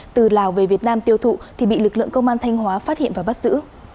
từ lào về việt nam tiêu thụ thì bị lực lượng công an thanh hóa phát hiện và bắt giữ